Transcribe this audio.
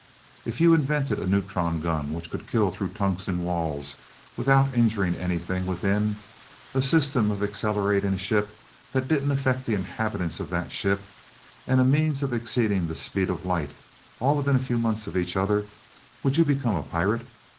"If you invented a neutron gun which could kill through tungsten walls without injuring anything within, a system of accelerating a ship that didn't affect the inhabitants of that ship, and a means of exceeding the speed of light, all within a few months of each other, would you become a pirate?